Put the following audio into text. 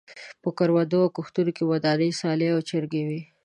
په کروندو او کښتو کې ودانې څالې او چرګۍ وې.